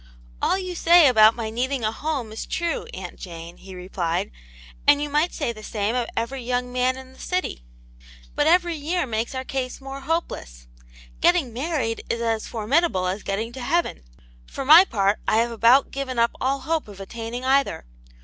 " All you say about my needing a home is true, Aunt Jane," he replied, "and you might say the same of every young man in the city. But every year makes our case more hopeless. Getting mar ried is as formidable as getting to heaven ; for my Aunl Jane's Hero. 31 part I have about given up all hope of attaining cither.